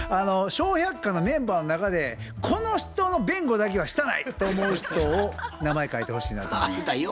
「笑百科」のメンバーの中でこの人の弁護だけはしたないと思う人を名前書いてほしいなと思いまして。